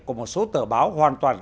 của một số tờ báo hoàn toàn